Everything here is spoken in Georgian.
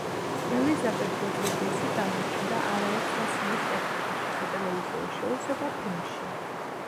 ელიზაბეთ როდრიგესი გამოჩნდა არაერთ სასცენო სპექტაკლში, სატელევიზიო შოუსა და ფილმში.